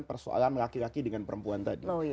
persoalan laki laki dengan perempuan tadi